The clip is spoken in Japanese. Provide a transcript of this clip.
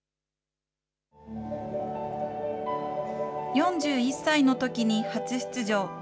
４１歳のときに初出場。